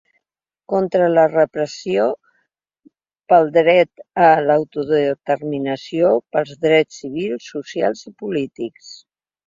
Contra la repressió, pel dret a l’autodeterminació, pels drets civils, socials i polítics.